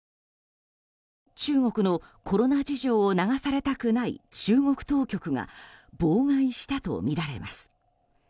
中国のコロナ事情を流されたくない中国当局が妨害したとみられます。